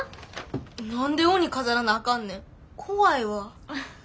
何で鬼飾らなあかんねん。怖いわ。